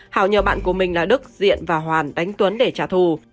hào nhờ bạn của mình là đức diện và hoàn đánh tuấn để trả thù